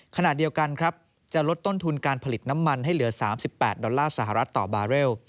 ขณะเดียวกันครับจะลดต้นทุนการผลิตน้ำมันให้เหลือ๓๘ดอลลาร์สหรัฐต่อบาร์เรล